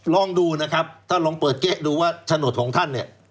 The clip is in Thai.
ลองดูนะครับท่านลองเปิดเก๊ะดูว่าโฉนดของท่านเนี่ย